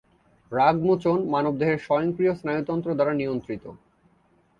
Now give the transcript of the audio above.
রাগমোচন মানবদেহের স্বয়ংক্রিয় স্নায়ুতন্ত্র দ্বারা নিয়ন্ত্রিত।